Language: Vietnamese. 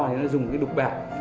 thì nó dùng cái đục bạc